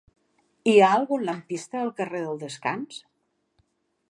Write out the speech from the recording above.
Hi ha algun lampista al carrer del Descans?